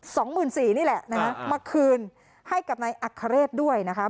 สองหมื่นสี่นี่แหละนะฮะมาคืนให้กับนายอัคเรศด้วยนะคะ